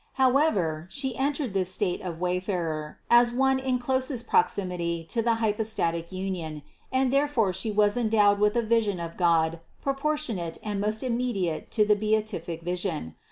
However, She en tered this state of wayfarer as one in closest proximity to the hypostatic union, and therefore She was endowed with a vision of God proportionate and most immediate to the beatific vision.